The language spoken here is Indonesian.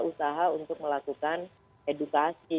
usaha untuk melakukan edukasi